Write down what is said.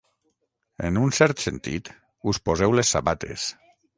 En un cert sentit, us poseu les sabates.